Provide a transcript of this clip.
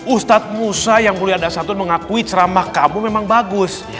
ustadz musa yang mulia ada satu mengakui cerama kamu memang bagus